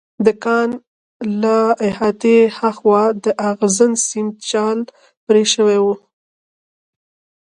د کان له احاطې هاخوا د اغزن سیم جال پرې شوی و